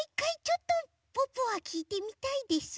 ちょっとポッポはきいてみたいです。